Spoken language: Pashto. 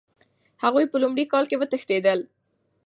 هغوی په لومړي کال کې وتښتېدل.